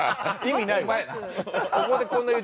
意味ない。